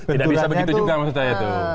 tidak bisa begitu juga maksud saya itu